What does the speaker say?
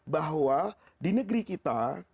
bahwa di negeri kita